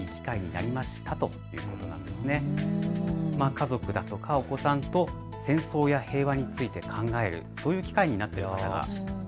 家族だとかお子さんと戦争や平和について考える、そういう機会になっているようです。